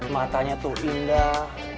matanya tuh indah